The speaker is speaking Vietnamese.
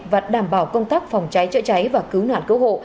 và đảm bảo công tác phòng cháy chữa cháy và cứu nạn cứu hộ